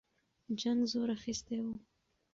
جنګ زور اخیستی وو.